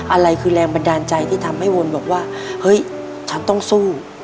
อะไรคือแรงบันดาลใจที่ทำให้วนบอกว่าเฮ้ยฉันต้องสู้